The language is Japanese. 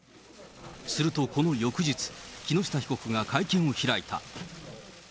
するとこの翌日、木下被告が会見を開いた。